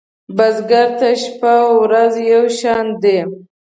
بزګر ته شپه ورځ یو شان دي